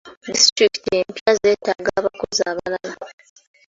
Disitulikiti empya zeetaaga abakozi abalala.